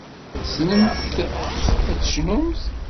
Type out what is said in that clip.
Tessnemt ad tecnumt.